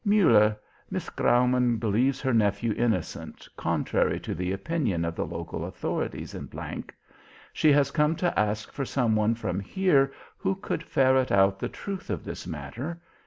"Muller, Miss Graumann believes her nephew innocent, contrary to the opinion of the local authorities in G . She has come to ask for some one from here who could ferret out the truth of this matter.